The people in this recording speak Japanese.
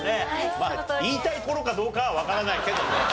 まあ言いたいところかどうかはわからないけどね。